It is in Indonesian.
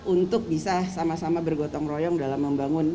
untuk bisa sama sama bergotong royong dalam membangun